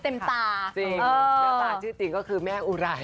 แล้วแต่ชื่อจริงก็คือแม่อุไร